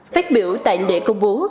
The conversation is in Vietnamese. phát biểu tại lễ công bố